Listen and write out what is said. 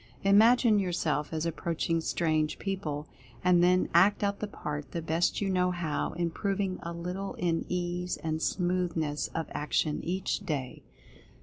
Imagine yourself as approach ing strange people, and then act out the part the best you know how, improving a little in ease, and smooth ness of action each day.